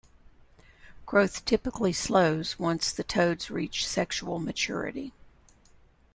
Growth typically slows once the toads reach sexual maturity.